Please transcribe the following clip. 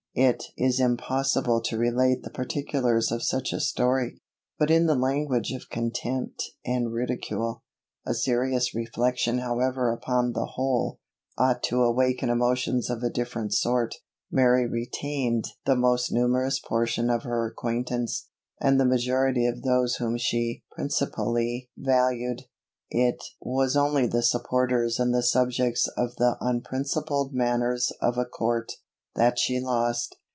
It is impossible to relate the particulars of such a story, but in the language of contempt and ridicule. A serious reflection however upon the whole, ought to awaken emotions of a different sort. Mary retained the most numerous portion of her acquaintance, and the majority of those whom she principally valued. It was only the supporters and the subjects of the unprincipled manners of a court, that she lost.